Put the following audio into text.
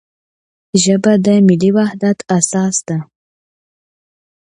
ژبه د ملي وحدت اساس ده.